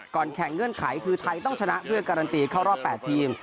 แข่งเงื่อนไขคือไทยต้องชนะเพื่อการันตีเข้ารอบ๘ทีม